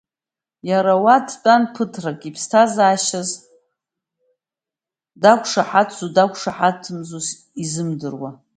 Иара уа дтәан ԥыҭрак, иԥсҭазаашьаз дақәшаҳаҭзу дақәшаҳаҭымзу изымдыруа.